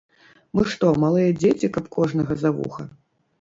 Мы што, малыя дзеці, каб кожнага за вуха?